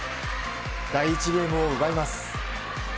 第１ゲームを奪います。